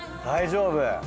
大丈夫。